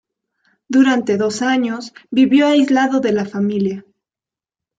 Durante dos años, vivió aislado de la familia.